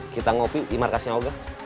kita ngopi di markasnya oga